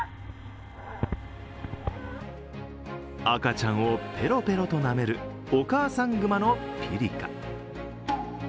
赤ちゃんをペロペロとなめるお母さん熊のピリカ。